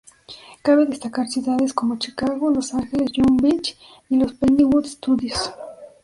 Cabe destacar ciudades como Chicago, Los Ángeles, Long Beach y los Pinewood Studios.